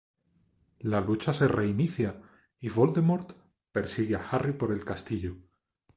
La lucha se reinicia y Voldemort persigue a Harry por el castillo.